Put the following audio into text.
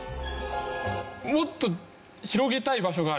もっと広げたい場所がある。